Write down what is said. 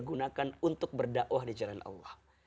gunakan untuk berdakwah di jalan allah